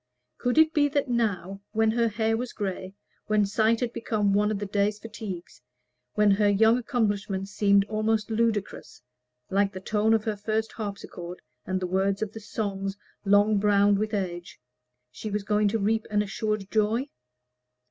Could it be that now when her hair was gray, when sight had become one of the day's fatigues, when her young accomplishments seemed almost ludicrous, like the tone of her first harpsichord and the words of the song long browned with age she was going to reap an assured joy?